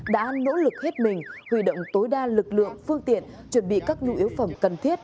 đã nỗ lực hết mình huy động tối đa lực lượng phương tiện chuẩn bị các nhu yếu phẩm cần thiết